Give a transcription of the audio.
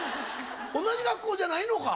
同じ学校じゃないのか！